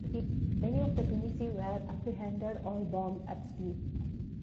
Many of the pinisi were apprehended or bombed at sea.